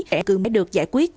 để cư mới được giải quyết